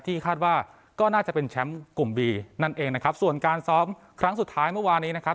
คาดว่าก็น่าจะเป็นแชมป์กลุ่มบีนั่นเองนะครับส่วนการซ้อมครั้งสุดท้ายเมื่อวานนี้นะครับ